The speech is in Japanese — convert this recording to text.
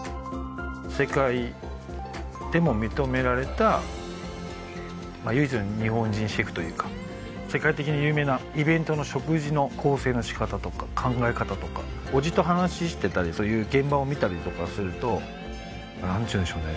世界でも認められた唯一の日本人シェフというか世界的に有名なイベントの食事の構成のしかたとか考え方とか伯父と話してたりそういう現場を見たりとかするとなんていうんでしょうね